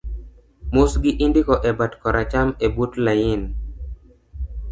mosgi indiko e bat koracham ebut lain